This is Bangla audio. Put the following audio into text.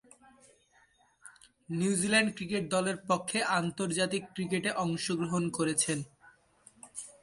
নিউজিল্যান্ড ক্রিকেট দলের পক্ষে আন্তর্জাতিক ক্রিকেটে অংশগ্রহণ করেছেন।